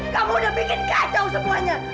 kamu udah pengen kacau semuanya